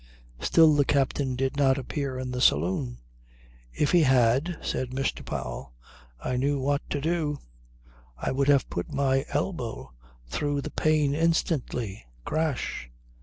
Still the captain did not appear in the saloon. "If he had," said Mr. Powell, "I knew what to do. I would have put my elbow through the pane instantly crash."